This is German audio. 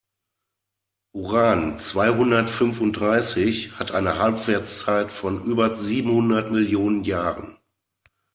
Uran-zweihundertfünfunddreißig hat eine Halbwertszeit von über siebenhundert Millionen Jahren.